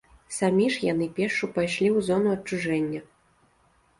Самі ж яны пешшу пайшлі ў зону адчужэння.